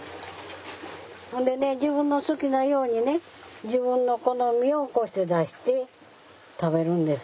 ほんでね自分の好きなようにね自分の好みをこうして出して食べるんです。